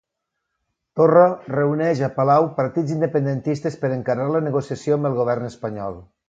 Torra reuneix a palau partits independentistes per encarar la negociació amb el govern espanyol.